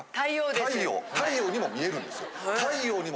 太陽にも見えるんですよ。